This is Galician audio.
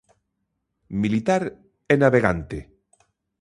Militar e navegante.